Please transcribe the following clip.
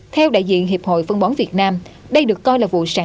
theo đại diện hiệp hội phân bón việt nam đây được coi là vụ sản